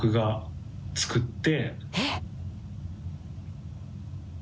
えっ！